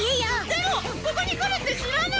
でもここに来るって知らな。